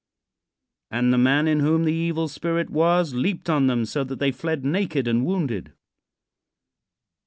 "And the man in whom the evil spirit was leaped on them so that they fled naked and wounded."